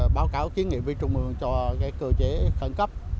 báo cáo kiến nghiệm viên trung ương cho cơ chế khẩn cấp